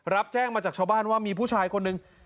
รับแจ้งมาจากชาวบ้านว่ามีผู้ชายคนหนึ่ง